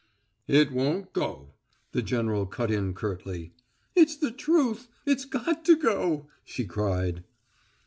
"It won't go," the general cut in curtly. "It's the truth it's got to go!" she cried.